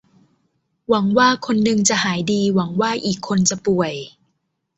หวังว่าคนนึงจะหายดี หวังว่าอีกคนจะป่วย